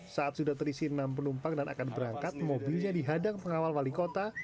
saat sudah terisi enam penumpang dan akan berangkat mobilnya dihadang pengawal wali kota